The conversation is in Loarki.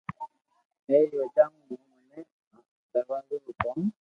اي ري وجہ مون مني آ درزو رو ڪوم